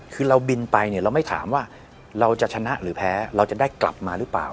คือเราบินไปเนี่ยเราไม่ถามว่าเราจะชนะหรือแพ้เราจะได้กลับมาหรือเปล่า